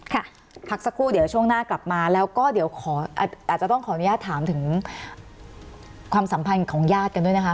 พักสักครู่เดี๋ยวช่วงหน้ากลับมาแล้วก็เดี๋ยวขออาจจะต้องขออนุญาตถามถึงความสัมพันธ์ของญาติกันด้วยนะคะ